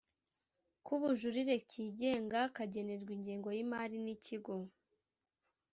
k Ubujurire kigenga kagenerwa ingengo y imari n Ikigo